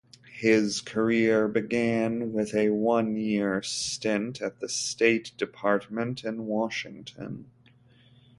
His career began with a one-year stint at the State Department in Washington.